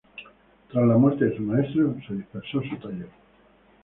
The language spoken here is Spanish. Tras la muerte de su maestro, se dispersó su taller.